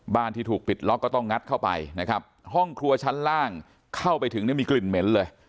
ที่ถูกปิดล็อกก็ต้องงัดเข้าไปนะครับห้องครัวชั้นล่างเข้าไปถึงเนี่ยมีกลิ่นเหม็นเลย